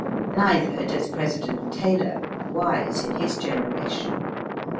Neither does President Taylor, wise in his generation.